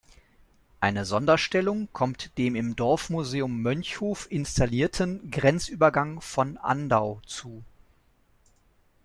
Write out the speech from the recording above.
Eine Sonderstellung kommt dem im Dorfmuseum Mönchhof installierten Grenzübergang von Andau zu.